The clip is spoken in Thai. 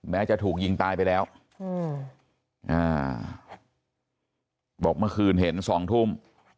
จะถูกยิงตายไปแล้วบอกเมื่อคืนเห็นสองทุ่ม